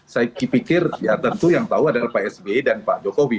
saya pikir ya tentu yang tahu adalah pak sby dan pak jokowi